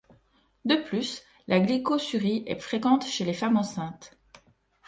De plus, la glycosurie est fréquente chez les femmes enceintes.